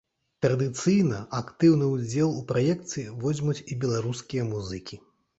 Традыцыйна актыўны ўдзел у праекце возьмуць і беларускія музыкі.